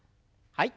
はい。